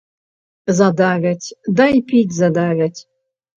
Задавяць, дай піць задавяць.